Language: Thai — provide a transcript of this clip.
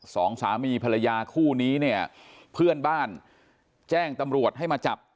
สองสามีภรรยาคู่นี้เนี่ยเพื่อนบ้านแจ้งตำรวจให้มาจับ